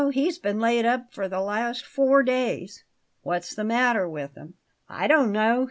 He's been laid up for the last four days." "What's the matter with him?" "I don't know.